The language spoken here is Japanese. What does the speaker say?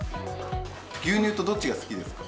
牛乳とどっちが好きですか？